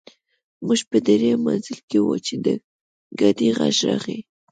موږ په درېیم منزل کې وو چې د ګاډي غږ راغی